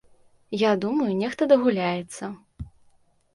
Я думаю, нехта дагуляецца.